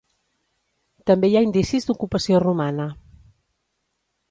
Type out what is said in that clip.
També hi ha indicis d'ocupació romana.